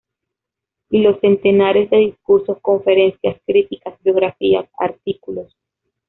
Y los centenares de discursos, conferencias, críticas, biografías, artículos.